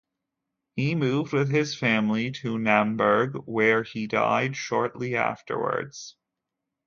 He moved with his family to Naumburg where he died shortly afterwards.